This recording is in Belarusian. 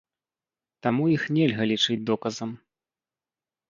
Таму іх нельга лічыць доказам.